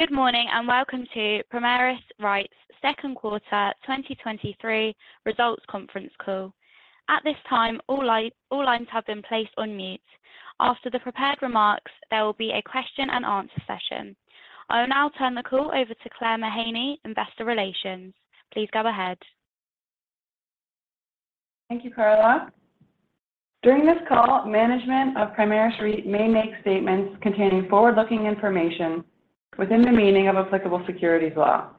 Good morning, and welcome to Primaris REIT's second quarter, 2023 results conference call. At this time, all lines have been placed on mute. After the prepared remarks, there will be a question and answer session. I will now turn the call over to Claire Mahaney, Investor Relations. Please go ahead. Thank you, Carla. During this call, management of Primaris REIT may make statements containing forward-looking information within the meaning of applicable securities law.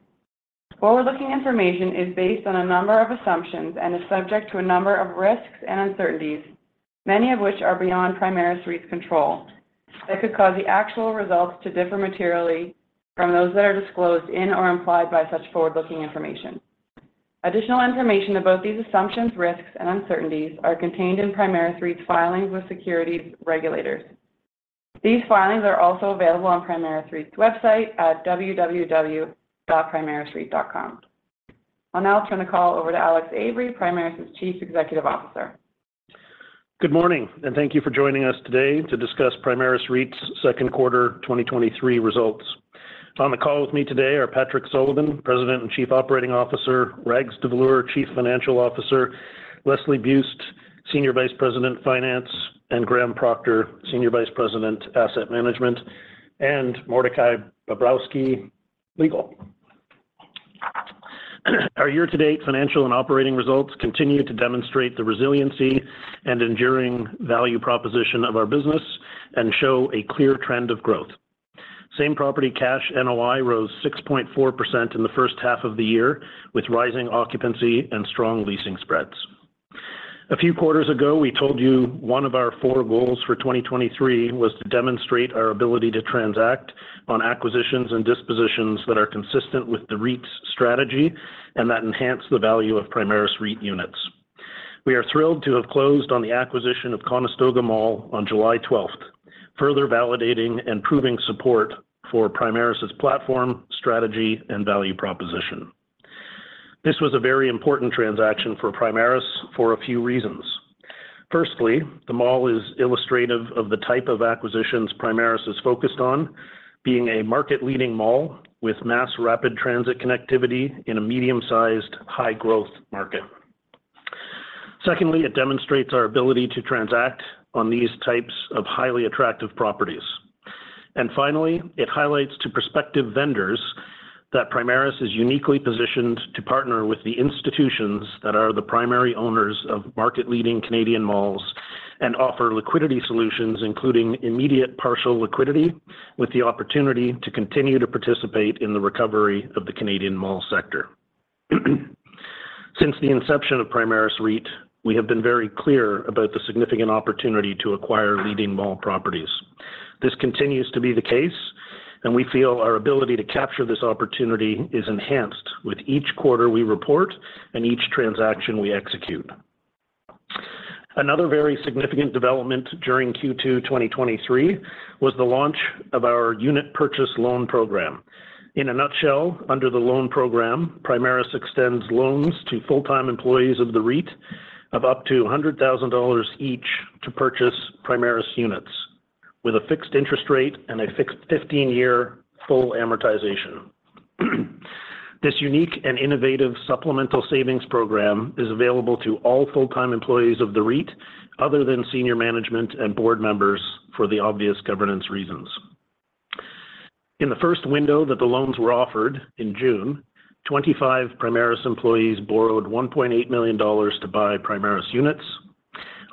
Forward-looking information is based on a number of assumptions and is subject to a number of risks and uncertainties, many of which are beyond Primaris REIT's control, that could cause the actual results to differ materially from those that are disclosed in or implied by such forward-looking information. Additional information about these assumptions, risks, and uncertainties are contained in Primaris REIT's filings with securities regulators. These filings are also available on Primaris REIT's website at www.primarisreit.com. I'll now turn the call over to Alex Avery, Primaris' Chief Executive Officer. Good morning, thank you for joining us today to discuss Primaris REIT's second quarter 2023 results. On the call with me today are Patrick Sullivan, President and Chief Operating Officer, Rags Davloor, Chief Financial Officer, Leslie Buist, Senior Vice President, Finance, Graham Procter, Senior Vice President, Asset Management, and Mordecai Bobrowsky, Legal. Our year-to-date financial and operating results continue to demonstrate the resiliency and enduring value proposition of our business and show a clear trend of growth. Same Properties Cash NOI rose 6.4% in the first half of the year, with rising occupancy and strong leasing spreads. A few quarters ago, we told you one of our four goals for 2023 was to demonstrate our ability to transact on acquisitions and dispositions that are consistent with the REIT's strategy and that enhance the value of Primaris REIT units. We are thrilled to have closed on the acquisition of Conestoga Mall on July 12th, further validating and proving support for Primaris's platform, strategy, and value proposition. This was a very important transaction for Primaris for a few reasons. Firstly, the mall is illustrative of the type of acquisitions Primaris is focused on, being a market-leading mall with mass rapid transit connectivity in a medium-sized, high-growth market. Secondly, it demonstrates our ability to transact on these types of highly attractive properties. Finally, it highlights to prospective vendors that Primaris is uniquely positioned to partner with the institutions that are the primary owners of market-leading Canadian malls and offer liquidity solutions, including immediate partial liquidity, with the opportunity to continue to participate in the recovery of the Canadian mall sector. Since the inception of Primaris REIT, we have been very clear about the significant opportunity to acquire leading mall properties. This continues to be the case, and we feel our ability to capture this opportunity is enhanced with each quarter we report and each transaction we execute. Another very significant development during Q2 2023 was the launch of our Unit Purchase Loan Program. In a nutshell, under the loan program, Primaris extends loans to full-time employees of the REIT of up to $100,000 each to purchase Primaris units, with a fixed interest rate and a fixed 15-year full amortization. This unique and innovative supplemental savings program is available to all full-time employees of the REIT, other than senior management and board members, for the obvious governance reasons. In the first window that the loans were offered in June, 25 Primaris employees borrowed $1.8 million to buy Primaris units.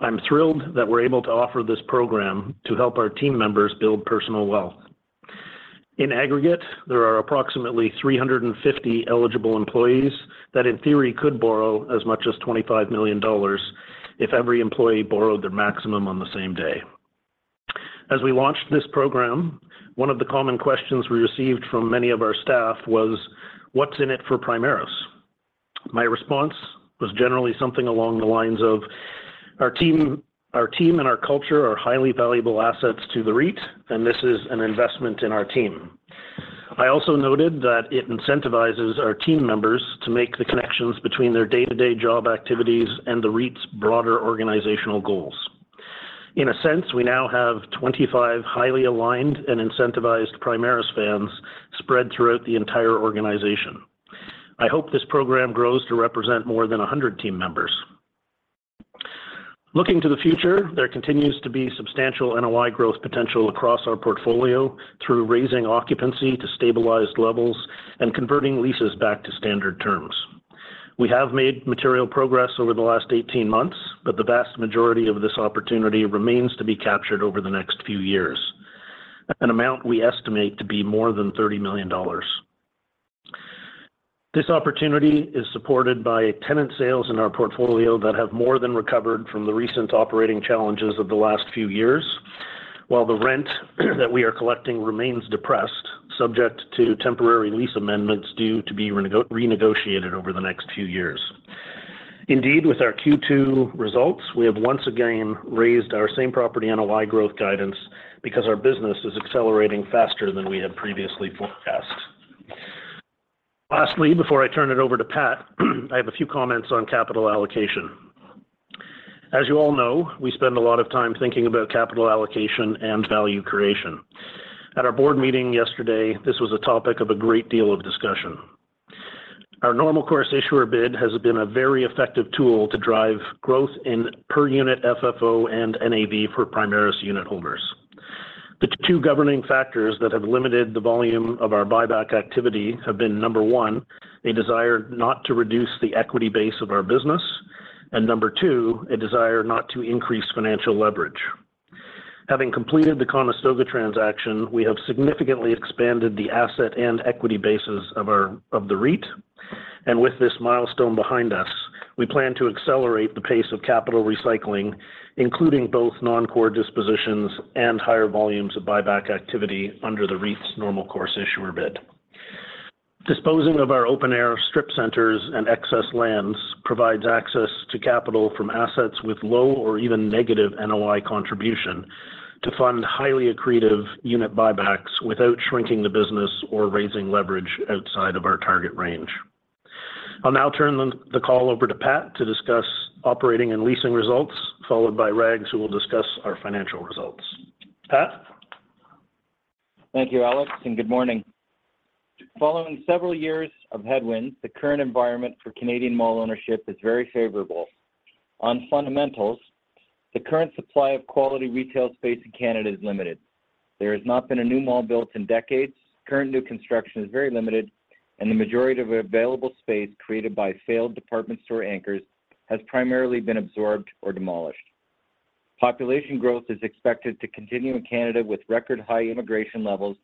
I'm thrilled that we're able to offer this program to help our team members build personal wealth. In aggregate, there are approximately 350 eligible employees that, in theory, could borrow as much as 25 million dollars if every employee borrowed their maximum on the same day. As we launched this program, one of the common questions we received from many of our staff was: What's in it for Primaris? My response was generally something along the lines of: Our team, our team and our culture are highly valuable assets to the REIT, and this is an investment in our team. I also noted that it incentivizes our team members to make the connections between their day-to-day job activities and the REIT's broader organizational goals. In a sense, we now have 25 highly aligned and incentivized Primaris fans spread throughout the entire organization. I hope this program grows to represent more than 100 team members. Looking to the future, there continues to be substantial NOI growth potential across our portfolio through raising occupancy to stabilized levels and converting leases back to standard terms. We have made material progress over the last 18 months, but the vast majority of this opportunity remains to be captured over the next few years, an amount we estimate to be more than 30 million dollars. This opportunity is supported by tenant sales in our portfolio that have more than recovered from the recent operating challenges of the last few years, while the rent that we are collecting remains depressed, subject to temporary lease amendments due to be renegotiated over the next few years. Indeed, with our Q2 results, we have once again raised our same property NOI growth guidance because our business is accelerating faster than we had previously forecast. Lastly, before I turn it over to Pat, I have a few comments on capital allocation. As you all know, we spend a lot of time thinking about capital allocation and value creation. At our board meeting yesterday, this was a topic of a great deal of discussion. Our normal course issuer bid has been a very effective tool to drive growth in per unit FFO and NAV for Primaris unitholders. The two governing factors that have limited the volume of our buyback activity have been, number one, a desire not to reduce the equity base of our business, and number two, a desire not to increase financial leverage. Having completed the Conestoga transaction, we have significantly expanded the asset and equity bases of our, of the REIT, and with this milestone behind us, we plan to accelerate the pace of capital recycling, including both non-core dispositions and higher volumes of buyback activity under the REIT's normal course issuer bid. Disposing of our open-air strip centers and excess lands provides access to capital from assets with low or even negative NOI contribution to fund highly accretive unit buybacks without shrinking the business or raising leverage outside of our target range. I'll now turn the, the call over to Pat to discuss operating and leasing results, followed by Rags, who will discuss our financial results. Pat? Thank you, Alex. Good morning. Following several years of headwinds, the current environment for Canadian mall ownership is very favorable. On fundamentals, the current supply of quality retail space in Canada is limited. There has not been a new mall built in decades, current new construction is very limited, and the majority of available space created by failed department store anchors has primarily been absorbed or demolished. Population growth is expected to continue in Canada, with record high immigration levels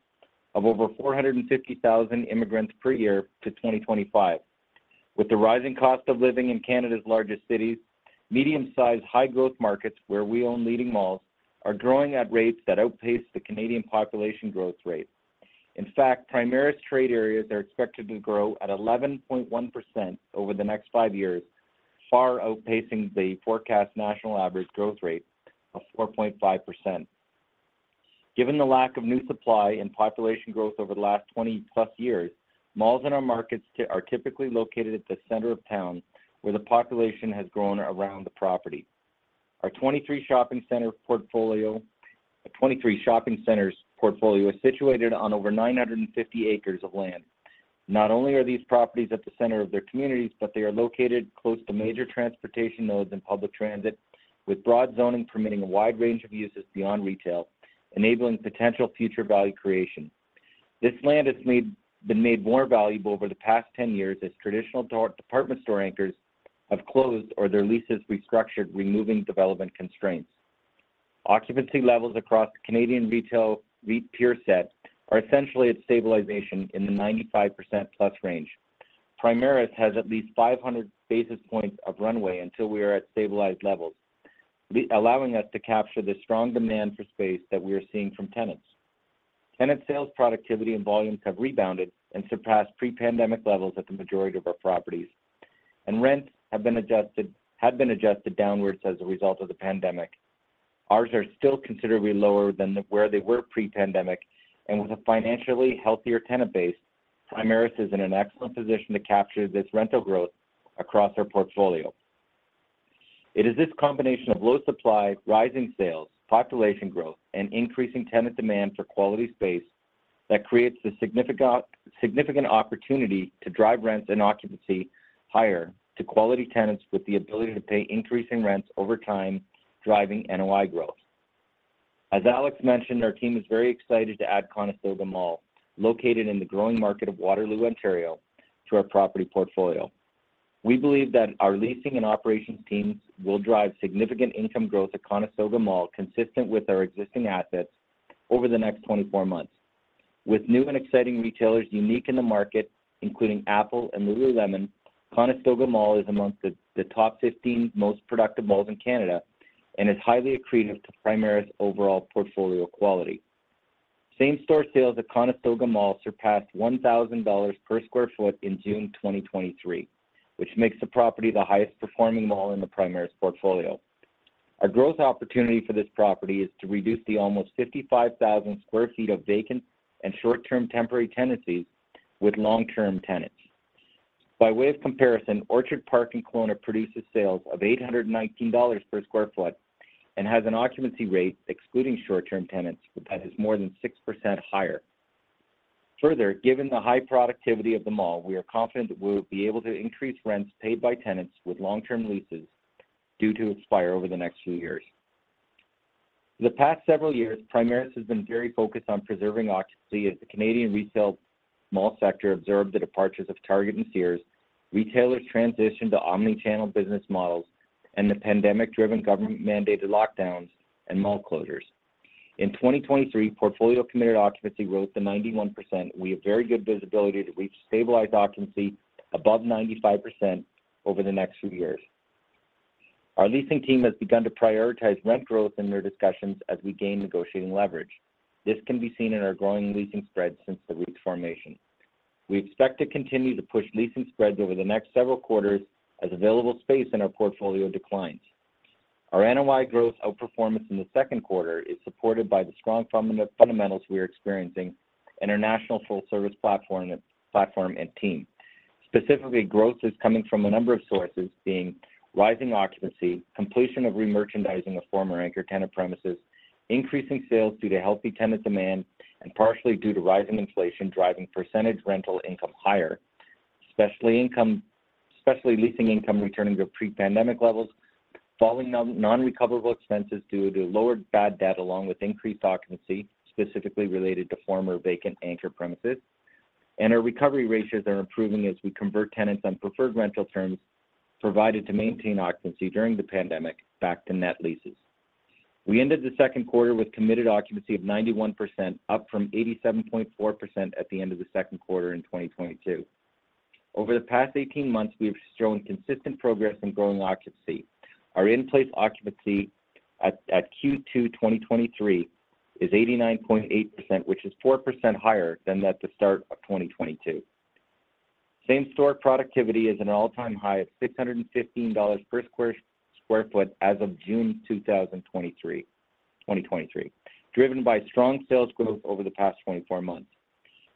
of over 450,000 immigrants per year to 2025. With the rising cost of living in Canada's largest cities, medium-sized, high-growth markets, where we own leading malls, are growing at rates that outpace the Canadian population growth rate. In fact, Primaris trade areas are expected to grow at 11.1% over the next five years, far outpacing the forecast national average growth rate of 4.5%. Given the lack of new supply and population growth over the last 20+ years, malls in our markets are typically located at the center of town, where the population has grown around the property. Our 23 shopping centers portfolio is situated on over 950 acres of land. Not only are these properties at the center of their communities, but they are located close to major transportation nodes and public transit, with broad zoning permitting a wide range of uses beyond retail, enabling potential future value creation. This land has been made more valuable over the past 10 years as traditional department store anchors have closed or their leases restructured, removing development constraints. Occupancy levels across the Canadian retail REIT peer set are essentially at stabilization in the 95%+ range. Primaris has at least 500 basis points of runway until we are at stabilized levels, allowing us to capture the strong demand for space that we are seeing from tenants. Tenant sales, productivity, and volumes have rebounded and surpassed pre-pandemic levels at the majority of our properties. Rents have been adjusted downwards as a result of the pandemic. Ours are still considerably lower than where they were pre-pandemic. With a financially healthier tenant base, Primaris is in an excellent position to capture this rental growth across our portfolio. It is this combination of low supply, rising sales, population growth, and increasing tenant demand for quality space that creates the significant opportunity to drive rents and occupancy higher to quality tenants with the ability to pay increasing rents over time, driving NOI growth. As Alex mentioned, our team is very excited to add Conestoga Mall, located in the growing market of Waterloo, Ontario, to our property portfolio. We believe that our leasing and operations teams will drive significant income growth at Conestoga Mall, consistent with our existing assets over the next 24 months. With new and exciting retailers unique in the market, including Apple and Lululemon, Conestoga Mall is amongst the top 15 most productive malls in Canada and is highly accretive to Primaris' overall portfolio quality. Same-store sales at Conestoga Mall surpassed 1,000 dollars per square foot in June 2023, which makes the property the highest-performing mall in the Primaris portfolio. Our growth opportunity for this property is to reduce the almost 55,000 sq ft of vacant and short-term temporary tenancies with long-term tenants. By way of comparison, Orchard Park in Kelowna produces sales of 819 dollars per square foot and has an occupancy rate, excluding short-term tenants, that is more than 6% higher. Further, given the high productivity of the mall, we are confident that we'll be able to increase rents paid by tenants with long-term leases due to expire over the next few years. For the past several years, Primaris has been very focused on preserving occupancy as the Canadian retail mall sector observed the departures of Target and Sears, retailers transitioned to omni-channel business models, and the pandemic-driven government-mandated lockdowns and mall closures. In 2023, portfolio committed occupancy rose to 91%. We have very good visibility that we've stabilized occupancy above 95% over the next few years. Our leasing team has begun to prioritize rent growth in their discussions as we gain negotiating leverage. This can be seen in our growing leasing spread since the REIT's formation. We expect to continue to push leasing spreads over the next several quarters as available space in our portfolio declines. Our NOI growth outperformance in the second quarter is supported by the strong fundamentals we are experiencing in our national full-service platform and team. Specifically, growth is coming from a number of sources, being rising occupancy, completion of re-merchandising of former anchor tenant premises, increasing sales due to healthy tenant demand, and partially due to rising inflation, driving percentage rental income higher. Especially leasing income returning to pre-pandemic levels, falling non-recoverable expenses due to lower bad debt, along with increased occupancy, specifically related to former vacant anchor premises. Our recovery ratios are improving as we convert tenants on preferred rental terms provided to maintain occupancy during the pandemic back to net leases. We ended the second quarter with committed occupancy of 91%, up from 87.4% at the end of the second quarter in 2022. Over the past 18 months, we have shown consistent progress in growing occupancy. Our in-place occupancy at Q2 2023 is 89.8%, which is 4% higher than at the start of 2022. Same-store productivity is an all-time high of 615 dollars per square foot as of June 2023, driven by strong sales growth over the past 24 months.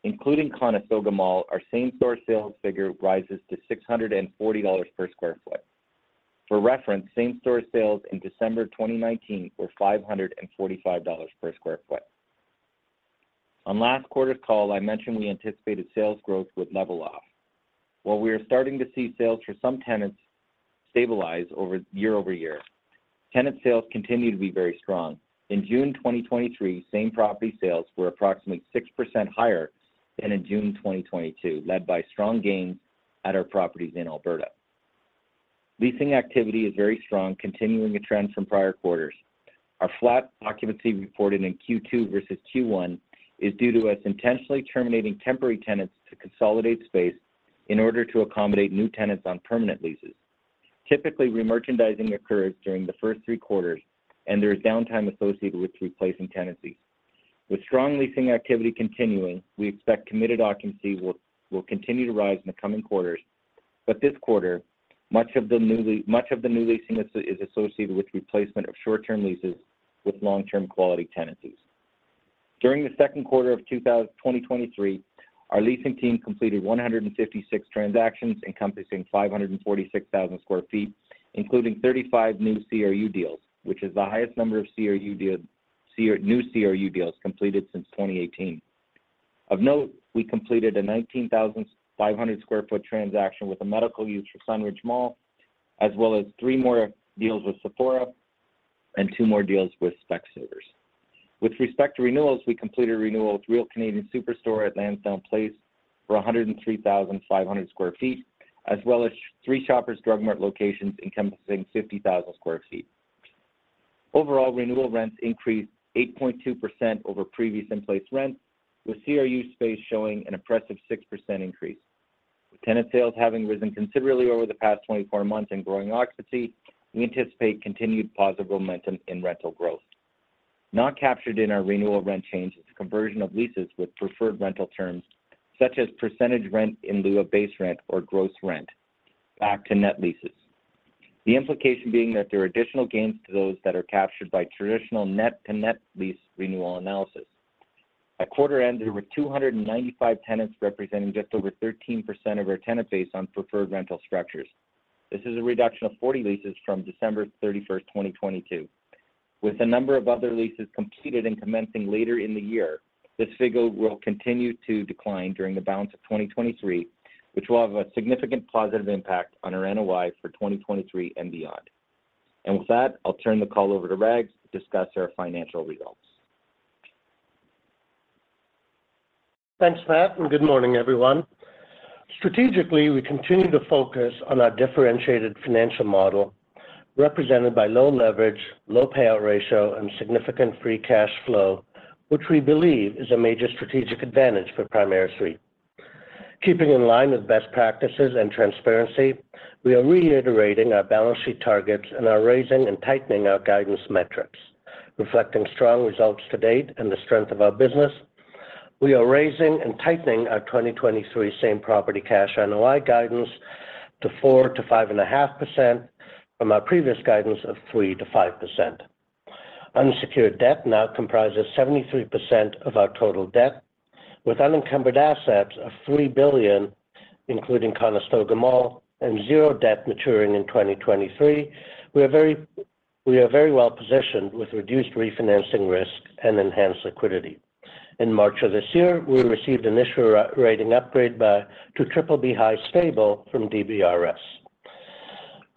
Including Conestoga Mall, our same-store sales figure rises to 640 dollars per square foot. For reference, same-store sales in December 2019 were 545 dollars per square foot. On last quarter's call, I mentioned we anticipated sales growth would level off. While we are starting to see sales for some tenants stabilize year-over-year, tenant sales continue to be very strong. In June 2023, same-property sales were approximately 6% higher than in June 2022, led by strong gains at our properties in Alberta. Leasing activity is very strong, continuing a trend from prior quarters. Our flat occupancy reported in Q2 versus Q1 is due to us intentionally terminating temporary tenants to consolidate space in order to accommodate new tenants on permanent leases. Typically, re-merchandising occurs during the first three quarters, there is downtime associated with replacing tenancy. With strong leasing activity continuing, we expect committed occupancy will continue to rise in the coming quarters, but this quarter, much of the new leasing is associated with replacement of short-term leases with long-term quality tenancies. During the 2Q 2023, our leasing team completed 156 transactions encompassing 546,000 sq ft, including 35 new CRU deals, which is the highest number of new CRU deals completed since 2018. Of note, we completed a 19,500 sq ft transaction with a medical use for Sunridge Mall, as well as three more deals with Sephora and two more deals with Specsavers. With respect to renewals, we completed a renewal with Real Canadian Superstore at Lansdowne Place for 103,500 sq ft, as well as three Shoppers Drug Mart locations encompassing 50,000 sq ft. Overall, renewal rents increased 8.2% over previous in-place rents, with CRU space showing an impressive 6% increase. With tenant sales having risen considerably over the past 24 months and growing occupancy, we anticipate continued positive momentum in rental growth. Not captured in our renewal rent change is the conversion of leases with preferred rental terms, such as percentage rent in lieu of base rent or gross rent, back to net leases. The implication being that there are additional gains to those that are captured by traditional net-to-net lease renewal analysis. At quarter end, there were 295 tenants, representing just over 13% of our tenant base on preferred rental structures. This is a reduction of 40 leases from December 31, 2022. With a number of other leases completed and commencing later in the year, this figure will continue to decline during the balance of 2023, which will have a significant positive impact on our NOI for 2023 and beyond. With that, I'll turn the call over to Rags to discuss our financial results. Thanks, Pat, and good morning, everyone. Strategically, we continue to focus on our differentiated financial model, represented by low leverage, low payout ratio, and significant free cash flow, which we believe is a major strategic advantage for Primaris REIT. Keeping in line with best practices and transparency, we are reiterating our balance sheet targets and are raising and tightening our guidance metrics. Reflecting strong results to date and the strength of our business, we are raising and tightening our 2023 Same Properties Cash NOI guidance to 4%-5.5% from our previous guidance of 3%-5%. Unsecured debt now comprises 73% of our total debt, with unencumbered assets of 3 billion, including Conestoga Mall, and 0 debt maturing in 2023. We are very well positioned with reduced refinancing risk and enhanced liquidity. In March of this year, we received an initial rating upgrade to BBB (high) Stable from DBRS.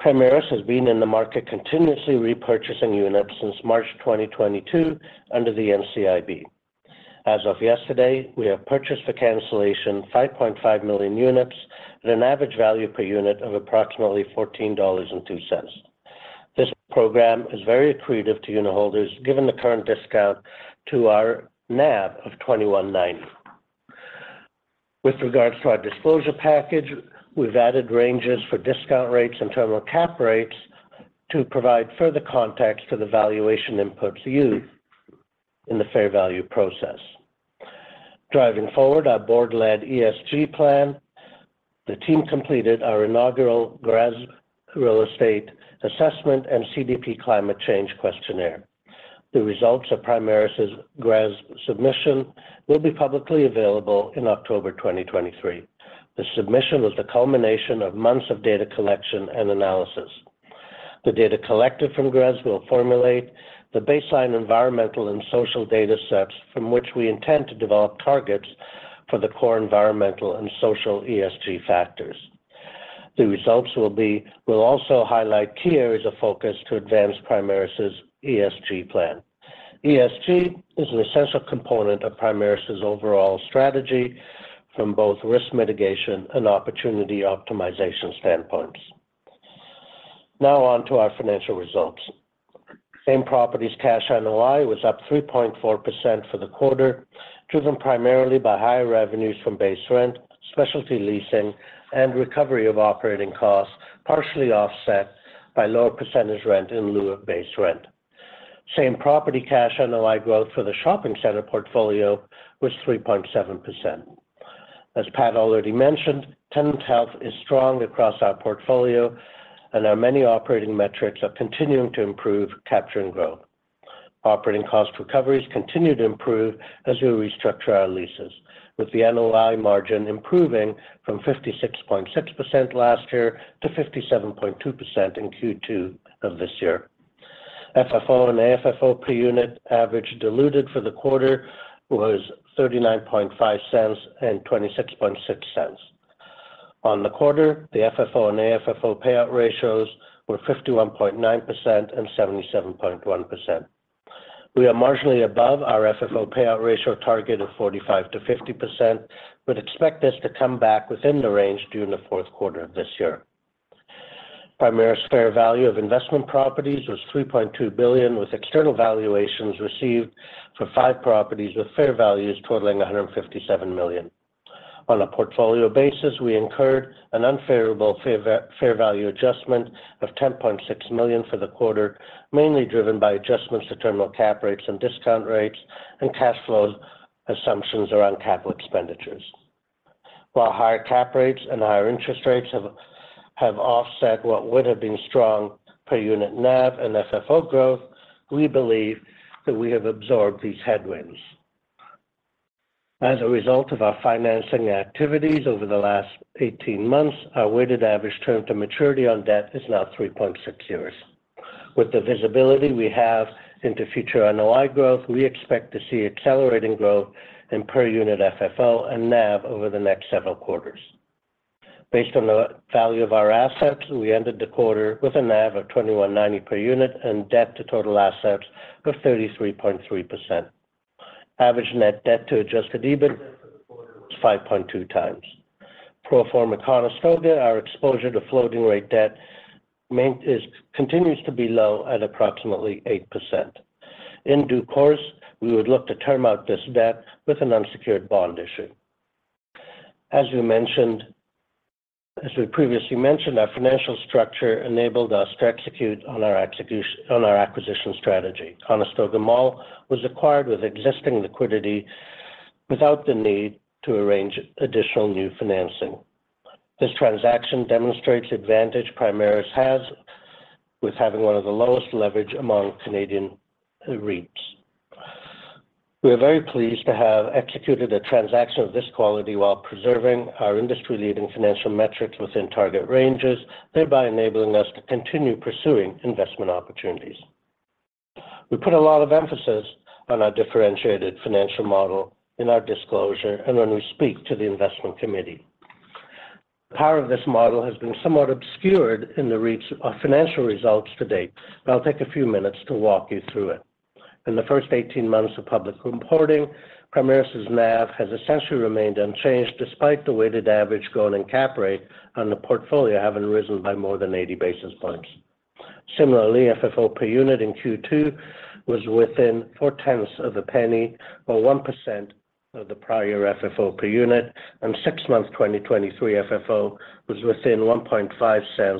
Primaris has been in the market continuously repurchasing units since March 2022 under the NCIB. As of yesterday, we have purchased for cancellation 5.5 million units at an average value per unit of approximately 14.02 dollars. This program is very accretive to unitholders, given the current discount to our NAV of 21.90. With regards to our disclosure package, we've added ranges for discount rates and terminal cap rates to provide further context to the valuation inputs used in the fair value process. Driving forward, our board-led ESG plan, the team completed our inaugural GRESB real estate assessment and CDP climate change questionnaire. The results of Primaris' GRESB submission will be publicly available in October 2023. The submission was the culmination of months of data collection and analysis. The data collected from GRESB will formulate the baseline environmental and social data sets from which we intend to develop targets for the core environmental and social ESG factors. The results will also highlight key areas of focus to advance Primaris' ESG plan. ESG is an essential component of Primaris' overall strategy from both risk mitigation and opportunity optimization standpoints. Now on to our financial results. Same Properties Cash NOI was up 3.4% for the quarter, driven primarily by higher revenues from base rent, specialty leasing, and recovery of operating costs, partially offset by lower percentage rent in lieu of base rent. Same Property Cash NOI growth for the shopping center portfolio was 3.7%. As Pat already mentioned, tenant health is strong across our portfolio, and our many operating metrics are continuing to improve, capture, and grow. Operating cost recoveries continue to improve as we restructure our leases, with the NOI margin improving from 56.6% last year to 57.2% in Q2 of this year. FFO and AFFO per unit average diluted for the quarter was 0.395 and 0.266. On the quarter, the FFO and AFFO payout ratios were 51.9% and 77.1%. We are marginally above our FFO payout ratio target of 45%-50%, but expect this to come back within the range during the fourth quarter of this year. Primaris fair value of investment properties was 3.2 billion, with external valuations received for five properties, with fair values totaling 157 million. On a portfolio basis, we incurred an unfavorable fair value adjustment of 10.6 million for the quarter, mainly driven by adjustments to terminal cap rates and discount rates and cash flow assumptions around capital expenditures. While higher cap rates and higher interest rates have offset what would have been strong per-unit NAV and FFO growth, we believe that we have absorbed these headwinds. As a result of our financing activities over the last 18 months, our weighted average term to maturity on debt is now 3.6 years. With the visibility we have into future NOI growth, we expect to see accelerating growth in per-unit FFO and NAV over the next several quarters. Based on the value of our assets, we ended the quarter with a NAV of $21.90 per unit and debt to total assets of 33.3%. Average net debt to adjusted EBITDA was 5.2 times. Pro forma Conestoga, our exposure to floating rate debt continues to be low at approximately 8%. In due course, we would look to term out this debt with an unsecured bond issue. As we previously mentioned, our financial structure enabled us to execute on our acquisition strategy. Conestoga Mall was acquired with existing liquidity without the need to arrange additional new financing. This transaction demonstrates the advantage Primaris has with having one of the lowest leverage among Canadian REITs. We are very pleased to have executed a transaction of this quality while preserving our industry-leading financial metrics within target ranges, thereby enabling us to continue pursuing investment opportunities. We put a lot of emphasis on our differentiated financial model in our disclosure and when we speak to the investment committee. Part of this model has been somewhat obscured in the reach of our financial results to date. I'll take a few minutes to walk you through it. In the first 18 months of public reporting, Primaris' NAV has essentially remained unchanged despite the weighted average growth in cap rate on the portfolio having risen by more than 80 basis points. Similarly, FFO per unit in Q2 was within CAD 0.004, or 1% of the prior FFO per unit, and 6 months 2023 FFO was within 0.015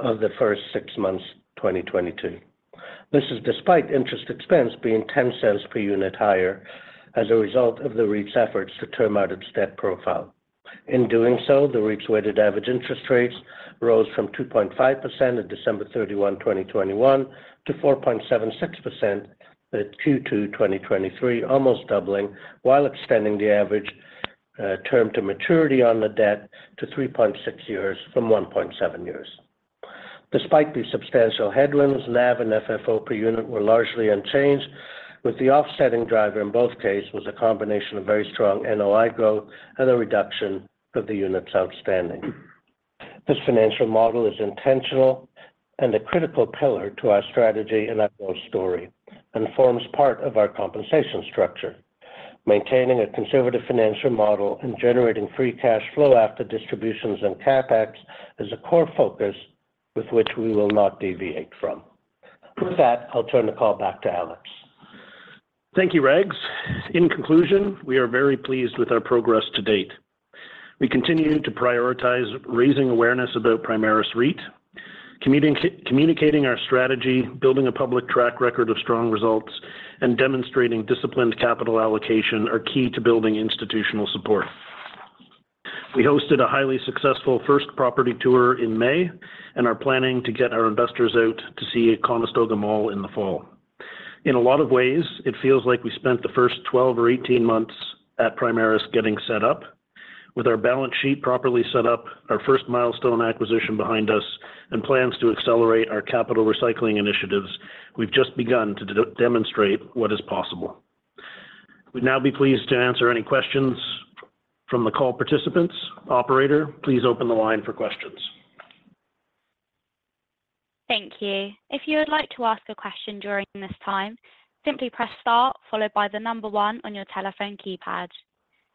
of the first 6 months 2022. This is despite interest expense being 0.10 per unit higher as a result of the REIT's efforts to term out its debt profile. In doing so, the REIT's weighted average interest rates rose from 2.5% on December 31, 2021, to 4.76% at Q2 2023, almost doubling, while extending the average term to maturity on the debt to 3.6 years from 1.7 years. Despite these substantial headwinds, NAV and FFO per unit were largely unchanged, with the offsetting driver in both cases was a combination of very strong NOI growth and a reduction of the units outstanding. This financial model is intentional and a critical pillar to our strategy and our growth story, and forms part of our compensation structure. Maintaining a conservative financial model and generating free cash flow after distributions and CapEx is a core focus with which we will not deviate from. With that, I'll turn the call back to Alex. Thank you, Rags. In conclusion, we are very pleased with our progress to date. We continue to prioritize raising awareness about Primaris REIT, communicating our strategy, building a public track record of strong results, and demonstrating disciplined capital allocation are key to building institutional support. We hosted a highly successful first property tour in May, and are planning to get our investors out to see Conestoga Mall in the fall. In a lot of ways, it feels like we spent the first 12 or 18 months at Primaris getting set up. With our balance sheet properly set up, our first milestone acquisition behind us, and plans to accelerate our capital recycling initiatives, we've just begun to demonstrate what is possible. We'd now be pleased to answer any questions from the call participants. Operator, please open the line for questions. Thank you. If you would like to ask a question during this time, simply press star followed by the number one on your telephone keypad.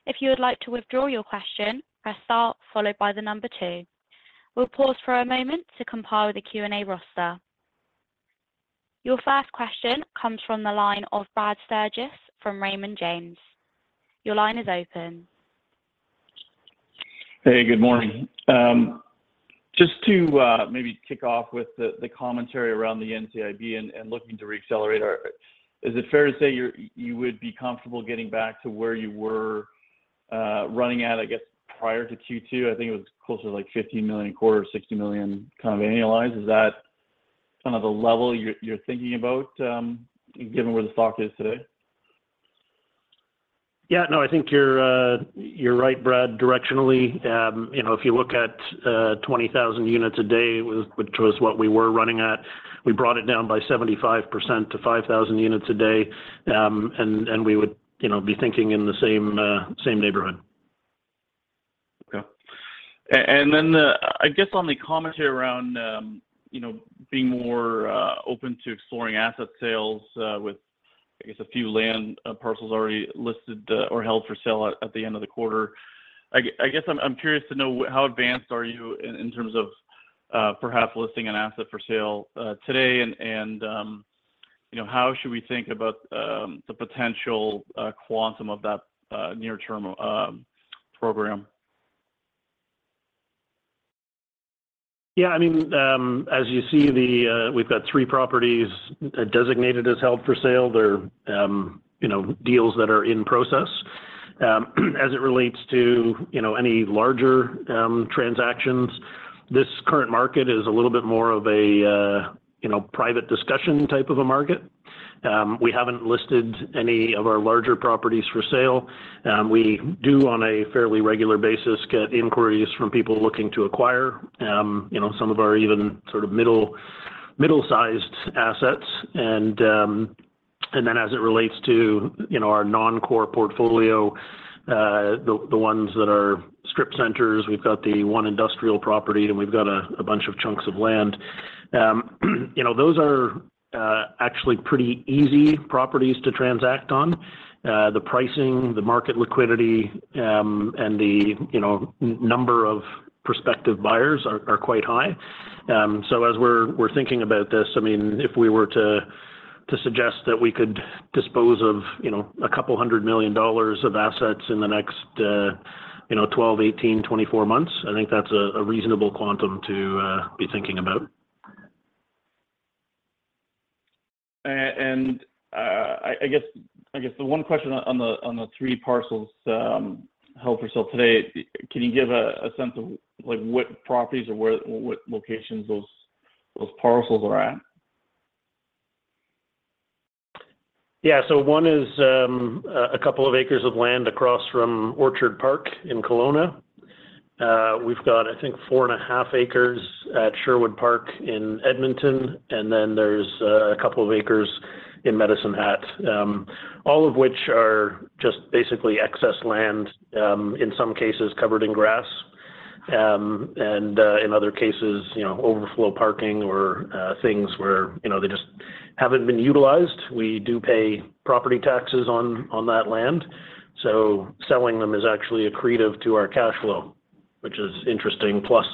If you would like to withdraw your question, press star followed by the number two. We'll pause for a moment to compile the Q&A roster. Your first question comes from the line of Brad Sturges from Raymond James. Your line is open. Hey, good morning. Just to maybe kick off with the commentary around the NCIB and looking to reaccelerate, is it fair to say you would be comfortable getting back to where you were running at, I guess, prior to Q2? I think it was closer to like $50 million quarter, $60 million kind of annualized. Is that kind of the level you're thinking about, given where the stock is today? Yeah. No, I think you're, you're right, Brad, directionally. You know, if you look at, 20,000 units a day, which was what we were running at, we brought it down by 75% to 5,000 units a day. We would, you know, be thinking in the same, same neighborhood. Okay. Then, I guess on the commentary around, you know, being more open to exploring asset sales, with, I guess, a few land parcels already listed, or held for sale at, at the end of the quarter. I guess I'm curious to know how advanced are you in terms of perhaps listing an asset for sale today? You know, how should we think about the potential quantum of that near-term program? Yeah, I mean, as you see, the, we've got three properties, designated as held for sale. They're, you know, deals that are in process. As it relates to, you know, any larger transactions, this current market is a little bit more of a, you know, private discussion type of a market. We haven't listed any of our larger properties for sale. We do, on a fairly regular basis, get inquiries from people looking to acquire, you know, some of our even sort of middle, middle-sized assets. As it relates to, you know, our non-core portfolio, the, the ones that are strip centers, we've got the one industrial property, and we've got a, a bunch of chunks of land. You know, those are, actually pretty easy properties to transact on. The pricing, the market liquidity, and the, you know, number of prospective buyers are quite high. As we're thinking about this, I mean, if we were to suggest that we could dispose of, you know, 200 million dollars of assets in the next, you know, 12, 18, 24 months, I think that's a reasonable quantum to be thinking about. I, I guess, I guess the one question on the, on the three parcels held for sale today, can you give a sense of like, what properties or where, what locations those, those parcels are at? Yeah. One is two acres of land across from Orchard Park in Kelowna. We've got, I think, 4.5 acres at Sherwood Park in Edmonton, and then there's two acres in Medicine Hat. All of which are just basically excess land, in some cases covered in grass, and in other cases, you know, overflow parking or things where, you know, they just haven't been utilized. We do pay property taxes on, on that land, so selling them is actually accretive to our cash flow, which is interesting, plus,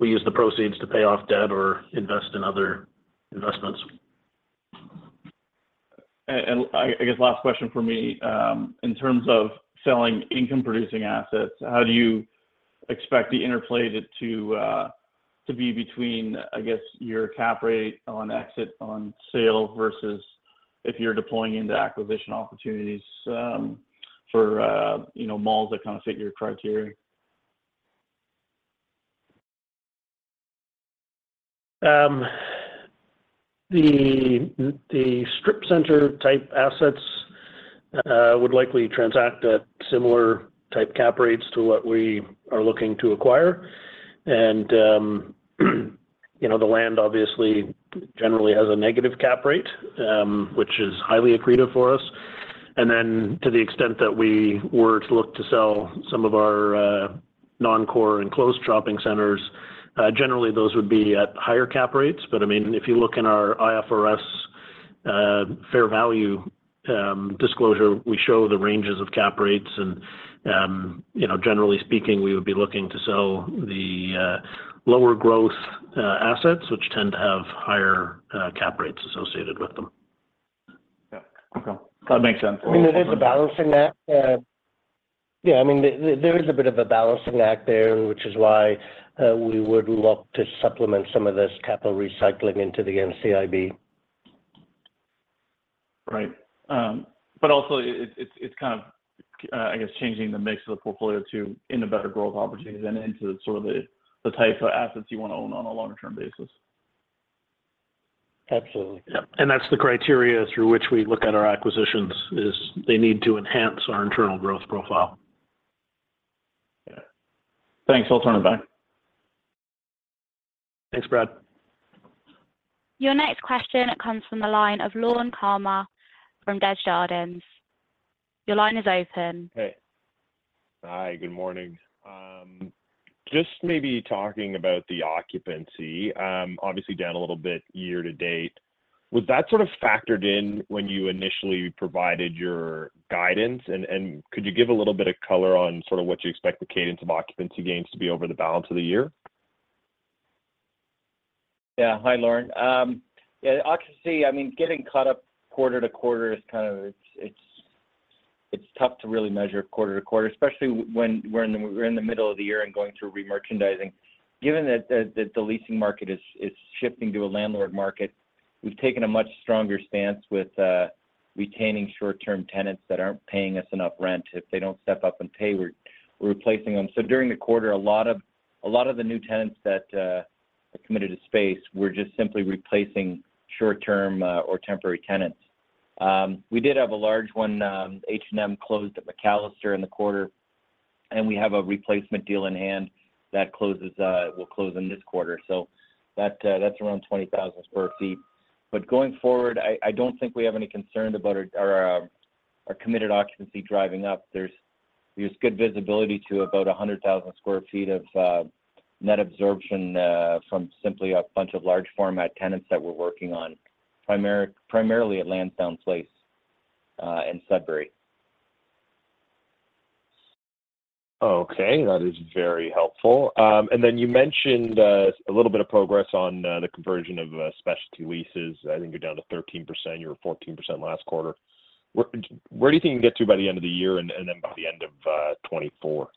we use the proceeds to pay off debt or invest in other investments. I, I guess last question from me: In terms of selling income-producing assets, how do you expect the interplay to be between, I guess, your cap rate on exit on sale versus if you're deploying into acquisition opportunities for, you know, malls that kind of fit your criteria? The, the strip center-type assets would likely transact at similar type cap rates to what we are looking to acquire. You know, the land obviously generally has a negative cap rate, which is highly accretive for us. To the extent that we were to look to sell some of our non-core enclosed shopping centers, generally those would be at higher cap rates. I mean, if you look in our IFRS fair value disclosure, we show the ranges of cap rates. You know, generally speaking, we would be looking to sell the lower growth assets, which tend to have higher cap rates associated with them. Yep. Okay, that makes sense. I mean, there's a balancing act. Yeah, I mean, there is a bit of a balancing act there, which is why we would look to supplement some of this capital recycling into the NCIB. Right. Also it, it's, it's kind of, I guess, changing the mix of the portfolio to, into better growth opportunities and into sort of the, the types of assets you want to own on a longer term basis. Absolutely. Yep. That's the criteria through which we look at our acquisitions, is they need to enhance our internal growth profile. Yeah. Thanks. I'll turn it back. Thanks, Brad. Your next question comes from the line of Lorne Kalmar from Desjardins. Your line is open. Hey. Hi, good morning. Just maybe talking about the occupancy, obviously down a little bit year to date. Was that sort of factored in when you initially provided your guidance? Could you give a little bit of color on sort of what you expect the cadence of occupancy gains to be over the balance of the year? Yeah. Hi, Lorne. Yeah, occupancy, getting caught up quarter to quarter is tough to really measure quarter to quarter, especially when we're in the middle of the year and going through remerchandising. Given that the leasing market is shifting to a landlord market, we've taken a much stronger stance with retaining short-term tenants that aren't paying us enough rent. If they don't step up and pay, we're replacing them. During the quarter, a lot of the new tenants that are committed to space were just simply replacing short-term or temporary tenants. We did have a large one, H&M closed at McAllister in the quarter, and we have a replacement deal in hand that closes, will close in this quarter. That's around 20,000 sq ft. Going forward, I, I don't think we have any concern about our, our, our committed occupancy driving up. There's, there's good visibility to about 100,000 sq ft of net absorption from simply a bunch of large format tenants that we're working on, primarily at Lansdowne Place and Sudbury. Okay, that is very helpful. Then you mentioned a little bit of progress on the conversion of specialty leases. I think you're down to 13%. You were 14% last quarter. Where, where do you think you can get to by the end of the year, and then by the end of 2024?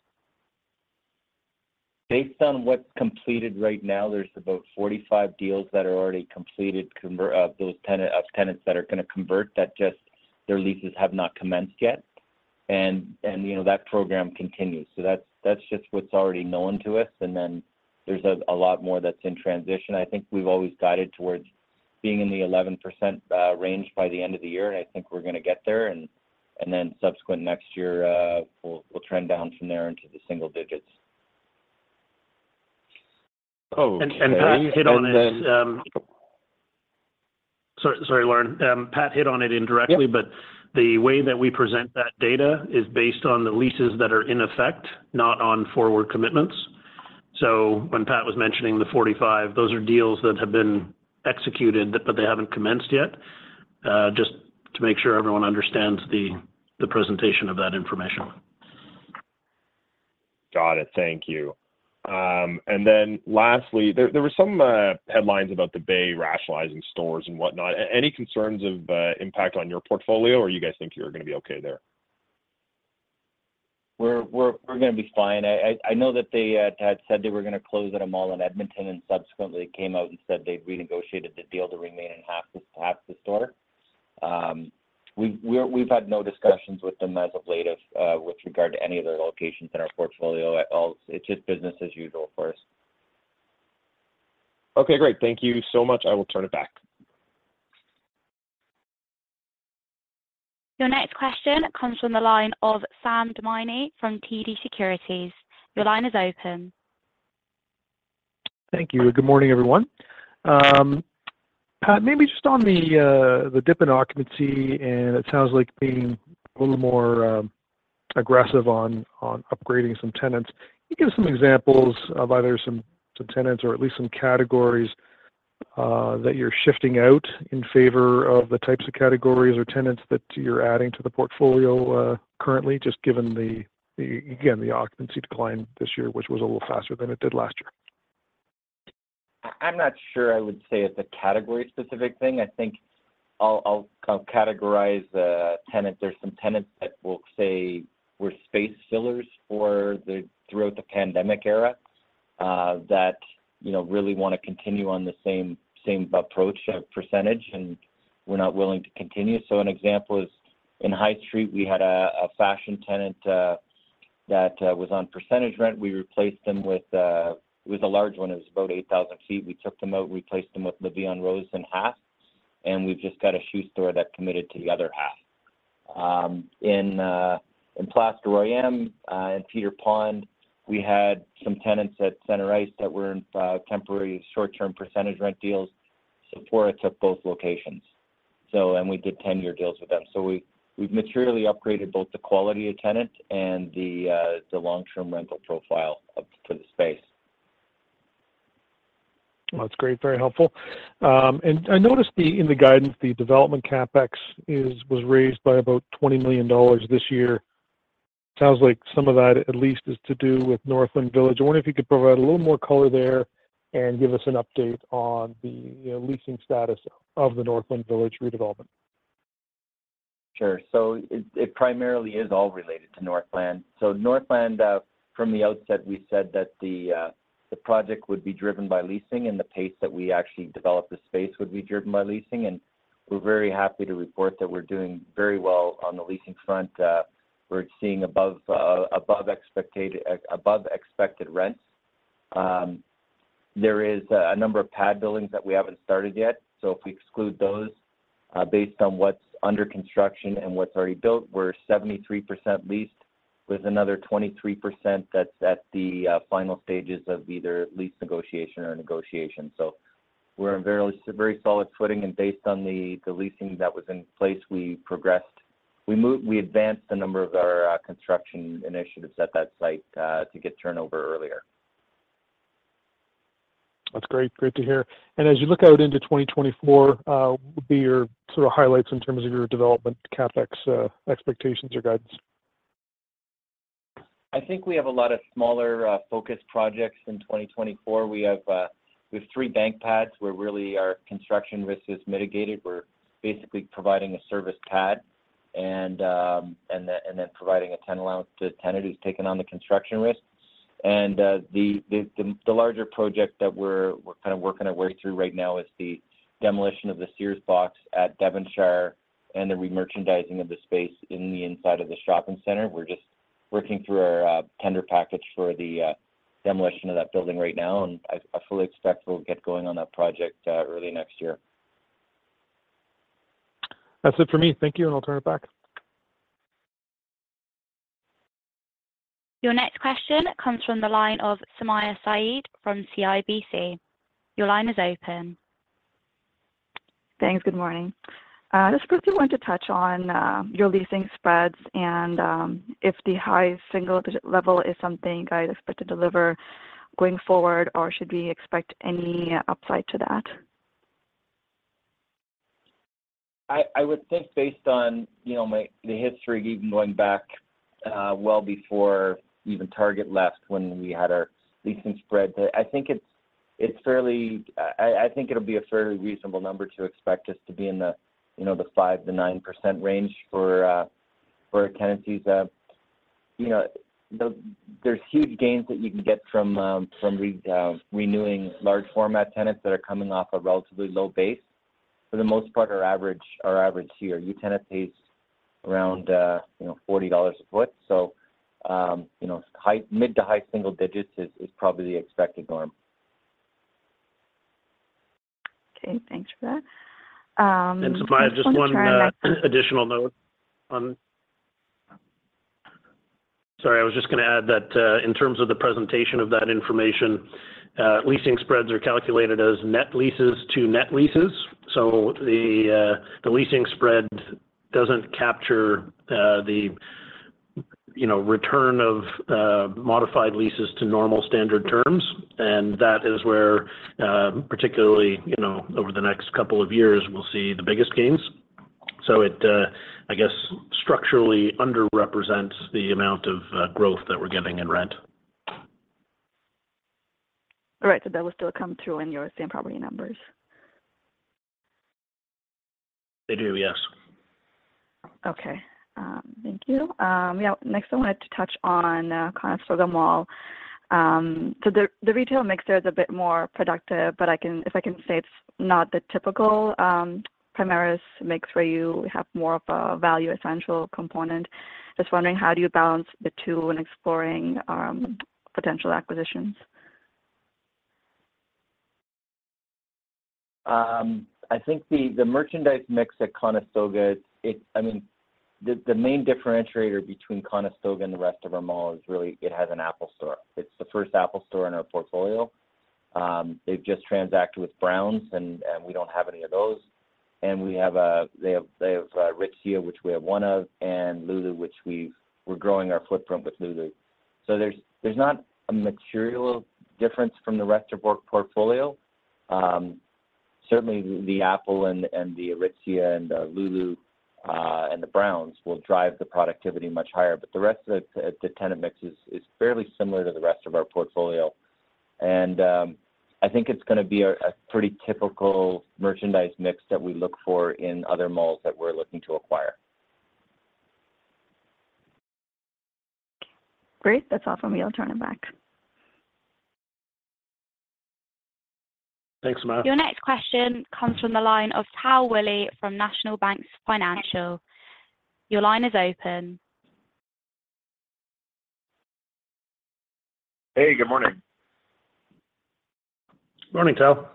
Based on what's completed right now, there's about 45 deals that are already completed of tenants that are going to convert, that just their leases have not commenced yet. You know, that program continues. That's, that's just what's already known to us, and then there's a lot more that's in transition. I think we've always guided towards being in the 11% range by the end of the year, and I think we're going to get there, and then subsequent next year, we'll, we'll trend down from there into the single digits. Okay. Pat hit on this... Sorry, sorry, Lorne. Pat hit on it indirectly- Yep... but the way that we present that data is based on the leases that are in effect, not on forward commitments. When Pat was mentioning the 45, those are deals that have been executed, but they haven't commenced yet. Just to make sure everyone understands the, the presentation of that information. Got it. Thank you. Lastly, there, there were some headlines about the Bay rationalizing stores and whatnot. Any concerns of impact on your portfolio, or you guys think you're going to be okay there? We're, we're, we're going to be fine. I, I, I know that they had said they were going to close at a mall in Edmonton, subsequently came out and said they've renegotiated the deal to remain in half the, half the store. We've, we've, we've had no discussions with them as of late of, with regard to any of their locations in our portfolio at all. It's just business as usual for us. Okay, great. Thank you so much. I will turn it back. Your next question comes from the line of Sam Damiani from TD Securities. Your line is open. Thank you. Good morning, everyone. Pat, maybe just on the, the dip in occupancy, and it sounds like being a little more aggressive on, on upgrading some tenants. Can you give some examples of either some, some tenants or at least some categories, that you're shifting out in favor of the types of categories or tenants that you're adding to the portfolio, currently? Just given the, the again, the occupancy decline this year, which was a little faster than it did last year. I'm not sure I would say it's a category-specific thing. I think I'll, I'll kind of categorize the tenants. There's some tenants that we'll say were space fillers for the throughout the pandemic era that, you know, really want to continue on the same, same approach of percentage, and we're not willing to continue. An example is in Highstreet, we had a fashion tenant that was on percentage rent. We replaced them with a large one. It was about 8,000 sq ft. We took them out, replaced them with La Vie en Rose in half, and we've just got a shoe store that committed to the other half. In Place Rosemère, and Peter Pond, we had some tenants at Center Ice that were in temporary short-term percentage rent deals. Sephora took both locations, and we did 10-year deals with them. We, we've materially upgraded both the quality of tenant and the long-term rental profile of, to the space. Well, that's great, very helpful. I noticed the, in the guidance, the development CapEx was raised by about 20 million dollars this year. Sounds like some of that, at least, is to do with Northland Village. I wonder if you could provide a little more color there and give us an update on the, you know, leasing status of the Northland Village redevelopment? It, it primarily is all related to Northland. Northland, from the outset, we said that the, the project would be driven by leasing, and the pace that we actually developed the space would be driven by leasing. We're very happy to report that we're doing very well on the leasing front. We're seeing above, above expected, above expected rents. There is, a number of pad buildings that we haven't started yet. If we exclude those, based on what's under construction and what's already built, we're 73% leased, with another 23% that's at the, final stages of either lease negotiation or negotiation. We're in very very solid footing, and based on the, the leasing that was in place, we progressed. We advanced a number of our construction initiatives at that site to get turnover earlier. That's great. Great to hear. As you look out into 2024, what would be your sort of highlights in terms of your development CapEx expectations or guidance? I think we have a lot of smaller, focused projects in 2024. We have, we have three bank pads, where really our construction risk is mitigated. We're basically providing a service pad and then providing a tenant allowance to the tenant who's taking on the construction risk. The larger project that we're kind of working our way through right now is the demolition of the Sears box at Devonshire and the remerchandising of the space in the inside of the shopping center. We're just working through our tender package for the demolition of that building right now, and I fully expect we'll get going on that project early next year. That's it for me. Thank you, and I'll turn it back. Your next question comes from the line of Sumayya Syed from CIBC. Your line is open. Thanks. Good morning. I just quickly wanted to touch on your leasing spreads and if the high single-digit level is something you guys expect to deliver going forward, or should we expect any upside to that? I would think based on, you know, my, the history, even going back, well before even Target left, when we had our leasing spread, that I think it's fairly. I think it'll be a fairly reasonable number to expect us to be in the, you know, the 5%-9% range for tenancies. You know, there's huge gains that you can get from renewing large format tenants that are coming off a relatively low base. For the most part, our average, our average tier U tenant pays around, you know, 40 dollars a foot. You know, high, mid to high single digits is, is probably the expected norm. Okay, thanks for that. I just want to try and- Sumaiya, just one more additional note on. Sorry, I was just going to add that, in terms of the presentation of that information, leasing spreads are calculated as net leases to net leases. The leasing spread doesn't capture the, you know, return of modified leases to normal standard terms, and that is where, particularly, you know, over the next two years, we'll see the biggest gains. It, I guess structurally underrepresents the amount of growth that we're getting in rent. Right. That will still come through in your same property numbers? They do, yes. Okay. Thank you. Yeah, next, I wanted to touch on Conestoga Mall. The, the retail mixer is a bit more productive, but I can-- if I can say it's not the typical Primaris mix, where you have more of a value essential component. Just wondering, how do you balance the two when exploring potential acquisitions? I think the merchandise mix at Conestoga, I mean, the main differentiator between Conestoga and the rest of our malls is really it has an Apple store. It's the 1st Apple store in our portfolio. They've just transacted with Browns, and we don't have any of those. They have Aritzia, which we have one of, and Lulu, which we're growing our footprint with Lulu. There's not a material difference from the rest of our portfolio. Certainly, the Apple and the Aritzia, and Lulu, and the Browns will drive the productivity much higher, but the rest of the tenant mix is fairly similar to the rest of our portfolio. I think it's going to be a pretty typical merchandise mix that we look for in other malls that we're looking to acquire. Great! That's all from me. I'll turn it back. Thanks, Sumayya. Your next question comes from the line of Tal Woolley from National Bank Financial. Your line is open. Hey, good morning. Morning, Tal.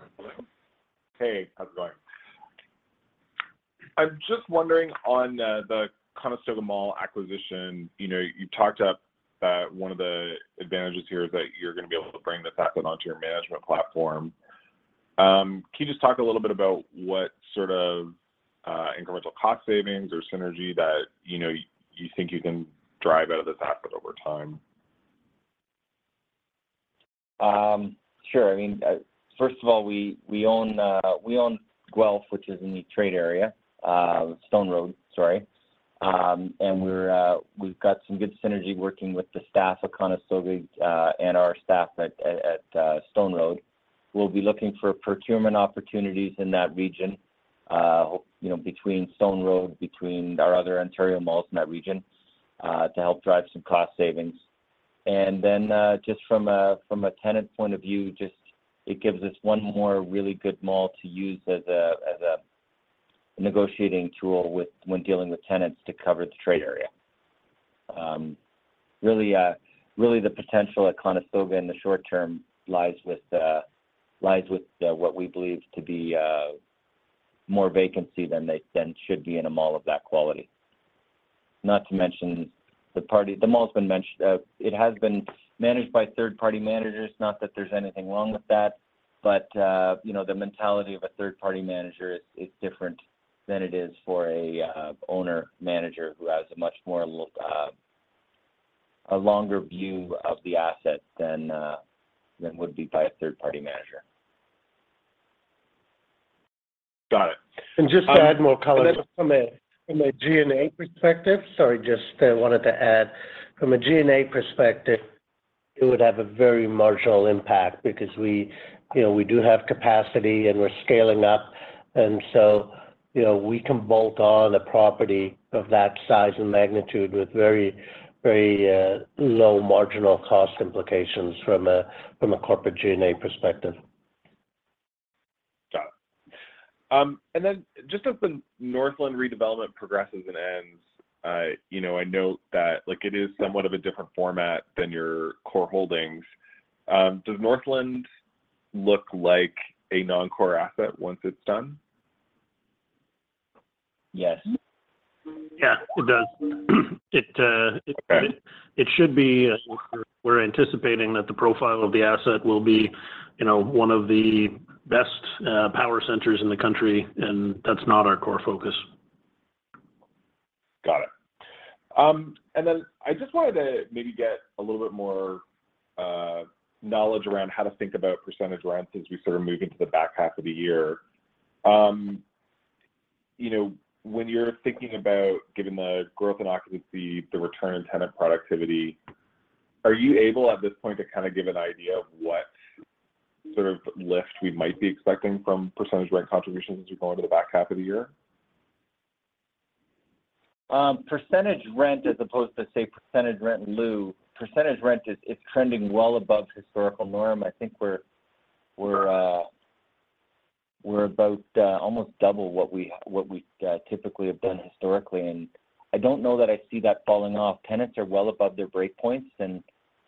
Hey, how's it going? I'm just wondering on the Conestoga Mall acquisition, you know, you talked up that one of the advantages here is that you're going to be able to bring this asset onto your management platform. Can you just talk a little bit about what sort of incremental cost savings or synergy that, you know, you think you can drive out of this asset over time? Sure. First of all, we, we own, we own Guelph, which is in the trade area, Stone Road, sorry. We're, we've got some good synergy working with the staff of Conestoga, and our staff at Stone Road. We'll be looking for procurement opportunities in that region, between Stone Road, between our other Ontario malls in that region, to help drive some cost savings. Just from a, from a tenant point of view, just it gives us one more really good mall to use as a negotiating tool when dealing with tenants to cover the trade area. Really, really the potential at Conestoga in the short term lies with, lies with, what we believe to be, more vacancy than they then should be in a mall of that quality. The mall's been mentioned, it has been managed by third-party managers, not that there's anything wrong with that, but, you know, the mentality of a third-party manager is, is different than it is for a owner-manager who has a much more a longer view of the asset than, than would be by a third-party manager. Got it. Just to add more color from a, from a G&A perspective, sorry, just wanted to add, from a G&A perspective, it would have a very marginal impact because we, you know, we do have capacity, and we're scaling up, and so, you know, we can bolt on a property of that size and magnitude with very, very, low marginal cost implications from a, from a corporate G&A perspective. Got it. And then just as the Northland redevelopment progresses and ends, you know, I know that, like, it is somewhat of a different format than your core holdings. Does Northland look like a non-core asset once it's done? Yes. Yeah, it does. It. Okay... it should be, we're, we're anticipating that the profile of the asset will be, you know, one of the best, power centers in the country, and that's not our core focus. Got it. Then I just wanted to maybe get a little bit more knowledge around how to think about percentage rents as we sort of move into the back half of the year. You know, when you're thinking about giving the growth in occupancy, the return on tenant productivity, are you able, at this point, to kind of give an idea of what sort of lift we might be expecting from percentage rent contributions as we go into the back half of the year? Percentage rent, as opposed to, say, percentage rent in lieu, percentage rent is, it's trending well above historical norm. I think we're, we're, we're about, almost double what we, what we, typically have done historically, and I don't know that I see that falling off. Tenants are well above their break points, and,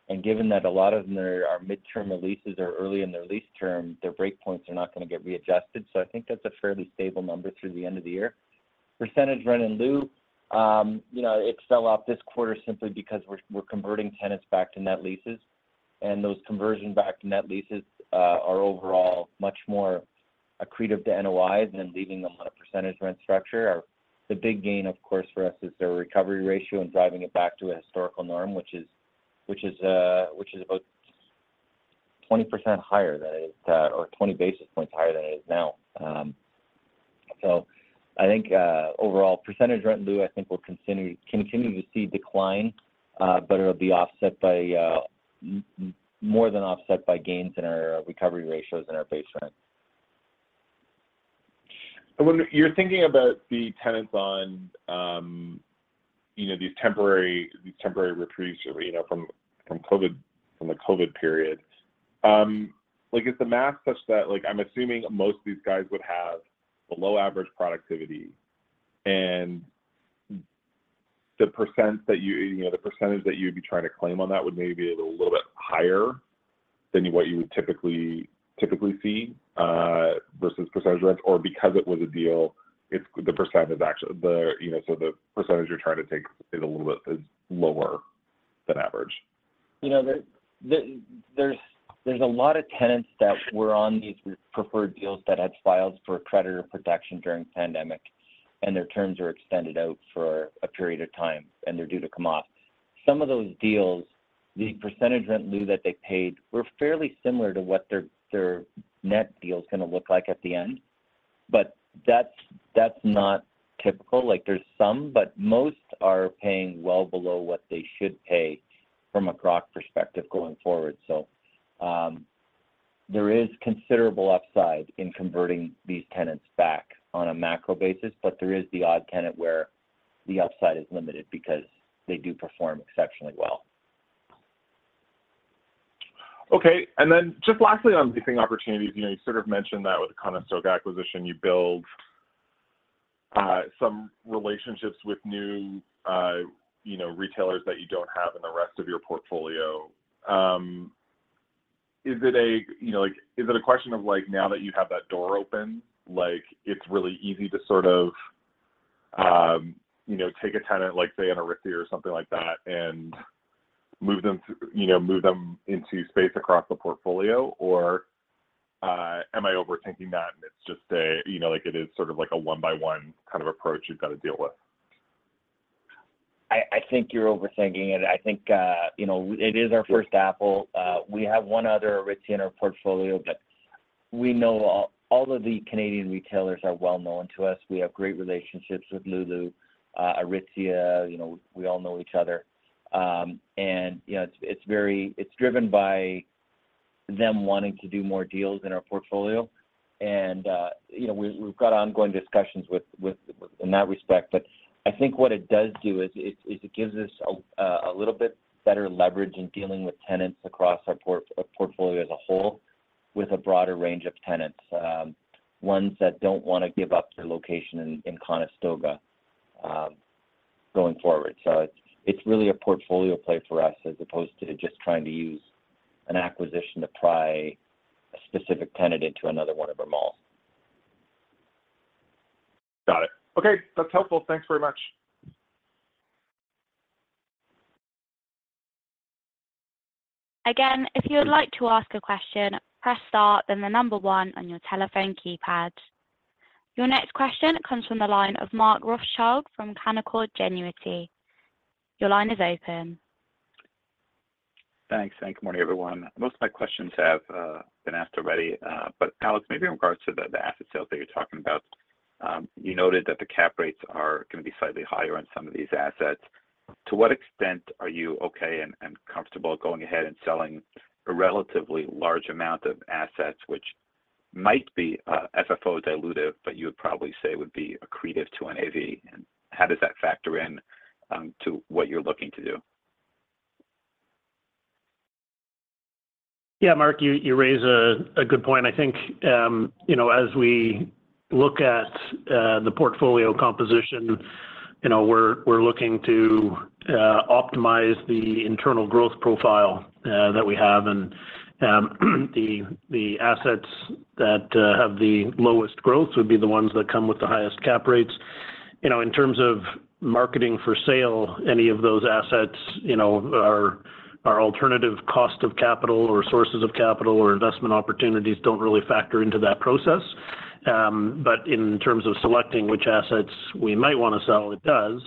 and given that a lot of them are, are midterm leases or early in their lease term, their break points are not going to get readjusted. I think that's a fairly stable number through the end of the year. Percentage rent in lieu, you know, it fell off this quarter simply because we're, we're converting tenants back to net leases, and those conversion back to net leases, are overall much more accretive to NOIs than leaving them on a percentage rent structure. The big gain, of course, for us is their recovery ratio and driving it back to a historical norm, which is about 20% higher than it is, or 20 basis points higher than it is now. I think overall, percentage rent in lieu, I think will continue to see decline, but it'll be offset by more than offset by gains in our recovery ratios and our base rent. When you're thinking about the tenants on, you know, these temporary, these temporary retreats or, you know, from, from COVID, from the COVID period, like, is the math such that, like, I'm assuming most of these guys would have below average productivity, and the percent that you, you know, the percentage that you'd be trying to claim on that would maybe be a little bit higher than what you would typically, typically see versus percentage rent, or because it was a deal, it's the percentage is actually the... You know, so the percentage you're trying to take is a little bit, is lower than average? You know, there, there, there's, there's a lot of tenants that were on these preferred deals that had filed for creditor protection during pandemic, and their terms are extended out for a period of time, and they're due to come off. Some of those deals, the percentage rent in lieu that they paid were fairly similar to what their, their net deal is gonna look like at the end, but that's, that's not typical. Like, there's some, but most are paying well below what they should pay from a CRoC perspective going forward. There is considerable upside in converting these tenants back on a macro basis, but there is the odd tenant where the upside is limited because they do perform exceptionally well. Okay. Just lastly on the thing, opportunities, you know, you sort of mentioned that with the Conestoga acquisition, you build, some relationships with new, you know, retailers that you don't have in the rest of your portfolio. Is it a, you know, like, is it a question of, like, now that you have that door open, like, it's really easy to sort of, you know, take a tenant, like, say, in Aritzia or something like that, and move them, you know, move them into space across the portfolio? Or, am I overthinking that, and it's just a, you know, like it is sort of like a one-by-one kind of approach you've got to deal with?... I, I think you're overthinking it. I think, you know, it is our first Apple. We have one other Aritzia in our portfolio, but we know all, all of the Canadian retailers are well known to us. We have great relationships with Lulu, Aritzia, you know, we all know each other. And, you know, it's, it's very it's driven by them wanting to do more deals in our portfolio. And, you know, we, we've got ongoing discussions with, with, in that respect. But I think what it does do is, is, it gives us a little bit better leverage in dealing with tenants across our portfolio as a whole, with a broader range of tenants. Ones that don't wanna give up their location in, in Conestoga, going forward. It's, it's really a portfolio play for us, as opposed to just trying to use an acquisition to pry a specific tenant into another one of our malls. Got it. Okay, that's helpful. Thanks very much. If you would like to ask a question, press star, then the one on your telephone keypad. Your next question comes from the line of Mark Rothschild from Canaccord Genuity. Your line is open. Thanks, good morning, everyone. Most of my questions have been asked already, but Alex, maybe in regards to the asset sale that you're talking about, you noted that the cap rates are gonna be slightly higher on some of these assets. To what extent are you okay and comfortable going ahead and selling a relatively large amount of assets, which might be FFO dilutive, but you would probably say would be accretive to an NAV? How does that factor in to what you're looking to do? Yeah, Mark, you, you raise a, a good point. I think, you know, as we look at the portfolio composition, you know, we're, we're looking to optimize the internal growth profile that we have. The, the assets that have the lowest growth would be the ones that come with the highest cap rates. You know, in terms of marketing for sale, any of those assets, you know, are, are alternative cost of capital or sources of capital or investment opportunities don't really factor into that process. In terms of selecting which assets we might wanna sell, it does.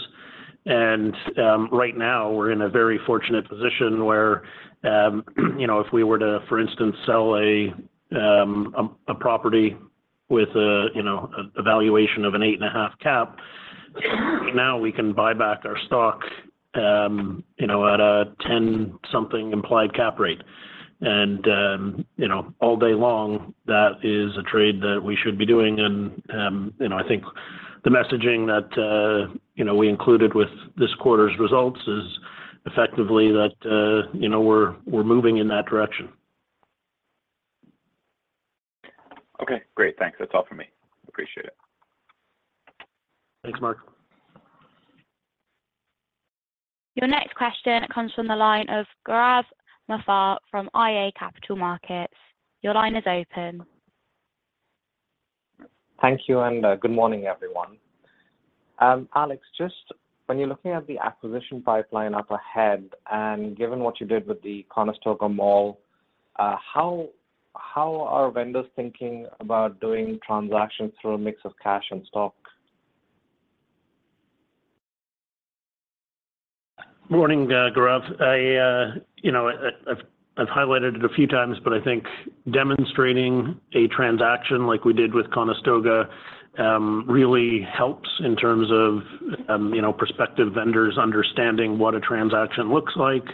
Right now, we're in a very fortunate position where, you know, if we were to, for instance, sell a property with a, you know, a valuation of an 8.5 cap, now we can buy back our stock, you know, at a 10 something implied cap rate. All day long, that is a trade that we should be doing. I think the messaging that, you know, we included with this quarter's results is effectively that, you know, we're moving in that direction. Okay, great. Thanks. That's all for me. Appreciate it. Thanks, Mark. Your next question comes from the line of Gaurav Mathur from iA Capital Markets. Your line is open. Thank you, and good morning, everyone. Alex, just when you're looking at the acquisition pipeline up ahead, and given what you did with the Conestoga Mall, how, how are vendors thinking about doing transactions through a mix of cash and stock? Morning, Gaurav. I, you know, I, I've, I've highlighted it a few times, but I think demonstrating a transaction like we did with Conestoga, really helps in terms of, you know, prospective vendors understanding what a transaction looks like,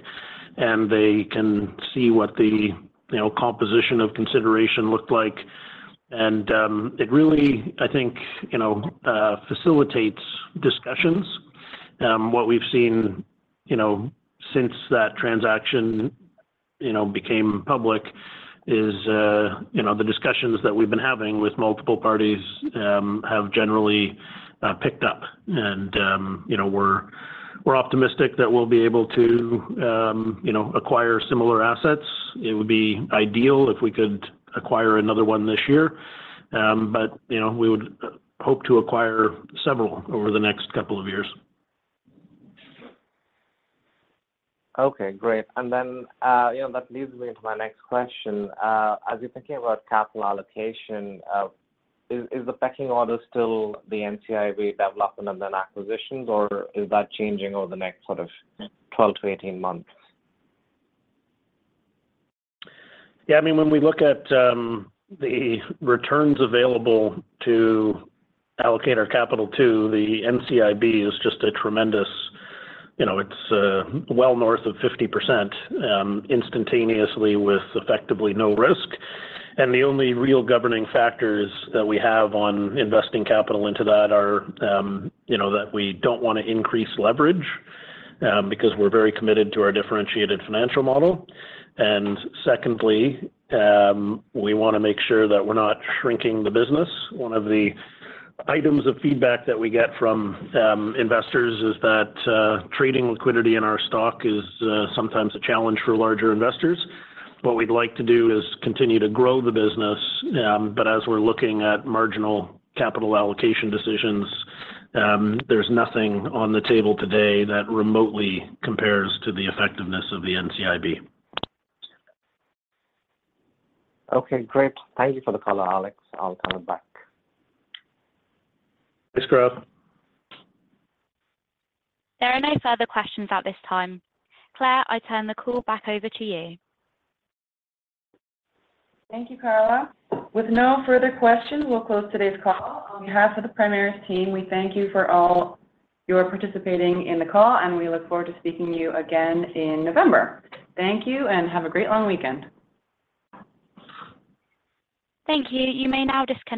and they can see what the, you know, composition of consideration looked like. It really, I think, you know, facilitates discussions. What we've seen, you know, since that transaction, you know, became public is, you know, the discussions that we've been having with multiple parties, have generally, picked up. You know, we're, we're optimistic that we'll be able to, you know, acquire similar assets. It would be ideal if we could acquire another one this year. You know, we would hope to acquire several over the next couple of years. Okay, great. Then, you know, that leads me into my next question. As you're thinking about capital allocation, is, is the pecking order still the NCIB development and then acquisitions, or is that changing over the next sort of 12 to 18 months? Yeah, I mean, when we look at the returns available to allocate our capital to, the NCIB is just a tremendous... You know, it's well north of 50% instantaneously with effectively no risk. The only real governing factors that we have on investing capital into that are, you know, that we don't wanna increase leverage because we're very committed to our differentiated financial model. Secondly, we wanna make sure that we're not shrinking the business. One of the items of feedback that we get from investors is that trading liquidity in our stock is sometimes a challenge for larger investors. What we'd like to do is continue to grow the business, but as we're looking at marginal capital allocation decisions, there's nothing on the table today that remotely compares to the effectiveness of the NCIB. Okay, great. Thank you for the call, Alex. I'll call you back. Thanks, Gaurav. There are no further questions at this time. Claire, I turn the call back over to you. Thank you, Carla. With no further questions, we'll close today's call. On behalf of the Primaris team, we thank you for all your participating in the call, and we look forward to speaking to you again in November. Thank you, and have a great long weekend. Thank you. You may now disconnect.